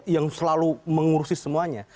yang selalu mengurusi semuanya